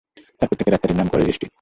এর পর থেকে রাস্তাটির নাম কলেজ স্ট্রিট।